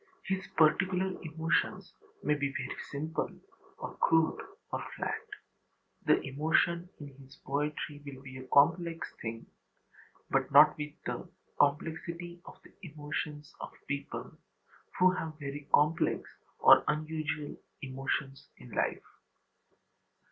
His particular emotions may be simple, or crude, or flat. The emotion in his poetry will be a very complex thing, but not with the complexity of the emotions of people who have very complex or unusual emotions in life.